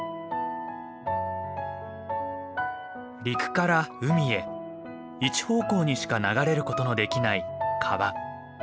陸から海へ一方向にしか流れることのできない川。